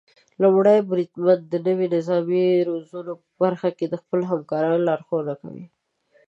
لومړی بریدمن د نويو نظامي روزنو په برخه کې د خپلو همکارانو لارښونه کوي.